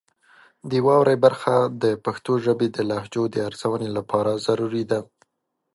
د واورئ برخه د پښتو ژبې د لهجو د ارزونې لپاره ضروري ده.